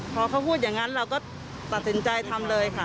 พอเขาพูดอย่างนั้นเราก็ตัดสินใจทำเลยค่ะ